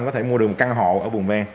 có thể mua được một căn hộ ở vùng ven